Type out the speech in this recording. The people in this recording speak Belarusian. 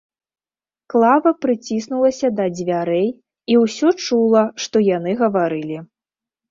Клава прыціснулася да дзвярэй і ўсё чула, што яны гаварылі.